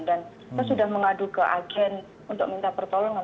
kita sudah mengadu ke agen untuk minta pertolongan